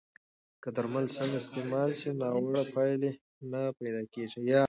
که درمل سم استعمال شي، ناوړه پایلې نه پیدا کېږي.